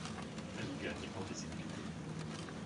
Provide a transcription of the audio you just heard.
Elle y gagne en visibilité.